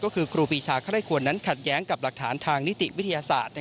ก็คือครูปีชาใคร่ควรนั้นขัดแย้งกับหลักฐานทางนิติวิทยาศาสตร์